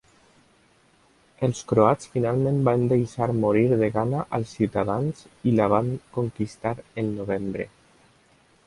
Els croats finalment van deixar morir de gana als ciutadans i la van conquistar el novembre.